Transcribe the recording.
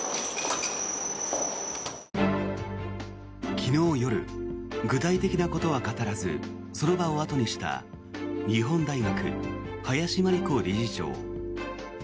昨日夜、具体的なことは語らずその場を後にした日本大学、林真理子理事長。